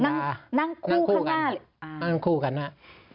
นั่งคู่ข้างหน้าเหรอคะนั่งคู่ข้างหน้า